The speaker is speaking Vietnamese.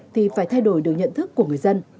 thì phải thay đổi được nhận thức của người dân